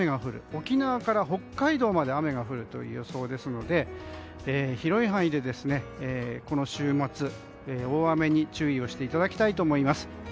沖縄から北海道まで雨が降るという予想ですので広い範囲でこの週末大雨に注意をしていただきたいと思います。